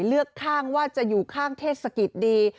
เลือกข้างว่าจะอยู่ข้างเทศกิจดี